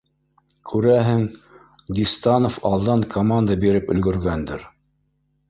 Күрәһең, Дистанов алдан команда биреп өлгөргәндер